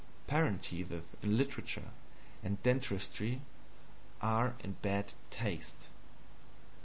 Parentheses in literature and dentistry are in bad taste.